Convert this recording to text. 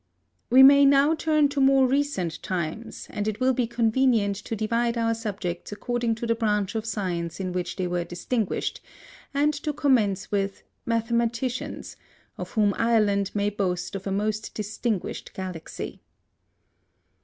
We may now turn to more recent times, and it will be convenient to divide our subjects according to the branch of science in which they were distinguished, and to commence with MATHEMATICIANS, of whom Ireland may boast of a most distinguished galaxy.